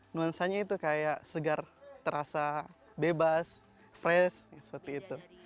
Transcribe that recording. nuansanya itu kayak segar terasa bebas fresh seperti itu